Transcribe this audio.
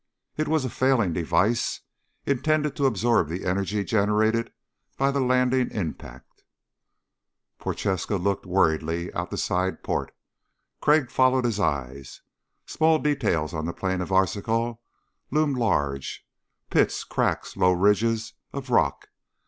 It was a failing device intended to absorb the energy generated by the landing impact. Prochaska looked worriedly out the side port. Crag followed his eyes. Small details on the plain of Arzachel loomed large pits, cracks, low ridges of rock.